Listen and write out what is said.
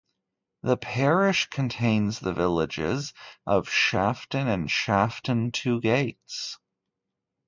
The parish contains the villages of Shafton and Shafton Two Gates.